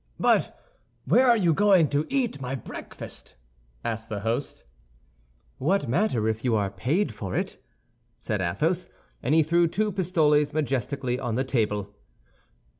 "But where are you going to eat my breakfast?" asked the host. "What matter, if you are paid for it?" said Athos, and he threw two pistoles majestically on the table.